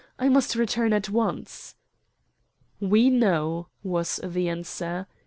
I must return at once." "We know," was the answer.